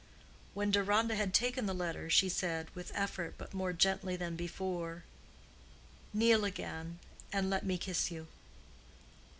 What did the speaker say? When Deronda had taken the letter, she said, with effort but more gently than before, "Kneel again, and let me kiss you."